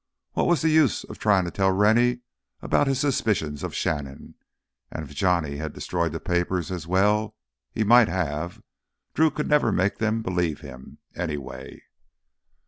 What was the use of trying to tell Rennie about his suspicions of Shannon? And if Johnny had destroyed the papers as well he might have, Drew could never make them believe him, anyway.